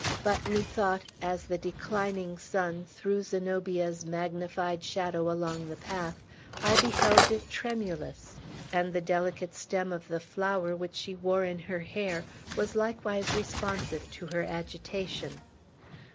But, methought, as the declining sun threw Zenobia's magnified shadow along the path, I beheld it tremulous; and the delicate stem of the flower which she wore in her hair was likewise responsive to her agitation.